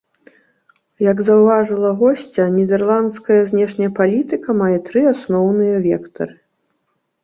Як заўважыла госця, нідэрландская знешняя палітыка мае тры асноўныя вектары.